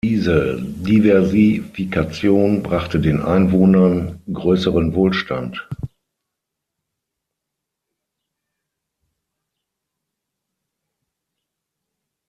Diese Diversifikation brachte den Einwohnern größeren Wohlstand.